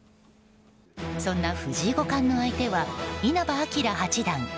そんな藤井五冠の相手は稲葉陽八段。